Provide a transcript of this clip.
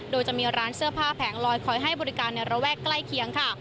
โดยจะมีร้านเสื้อผ้าแผงลอยคอยให้บริการในระแวกใกล้เคียงค่ะ